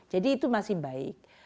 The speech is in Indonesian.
jadi itu masih baik